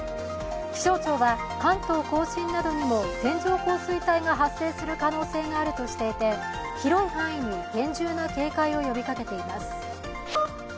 気象庁は関東甲信などにも線状降水帯が発生する可能性があるとしていて広い範囲に厳重な警戒を呼びかけています。